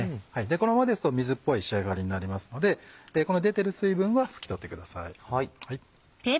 このままですと水っぽい仕上がりになりますのでこの出てる水分は拭き取ってください。